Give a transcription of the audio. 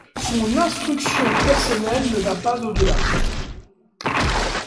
Son instruction personnelle ne va pas au delà.